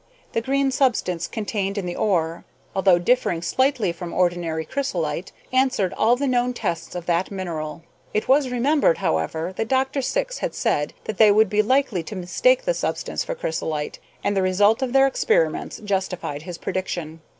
The green substance contained in the ore, although differing slightly from ordinary chrysolite, answered all the known tests of that mineral. It was remembered, however, that Dr. Syx had said that they would be likely to mistake the substance for chrysolite, and the result of their experiments justified his prediction.